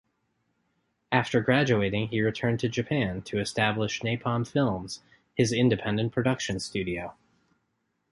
After graduating, he returned to Japan to establish Napalm Films, his independent production studio.